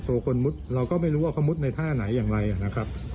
ตัวคนมุดเราก็ไม่รู้ว่าเขามุดในท่าไหนอย่างไรนะครับ